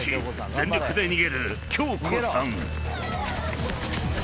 全力で逃げる恭子さん］